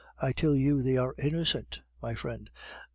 I tell you they are innocent, my friend.